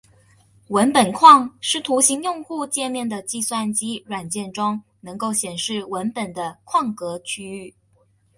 文本框是图形用户界面的计算机软件中能够显示文本的框格区域。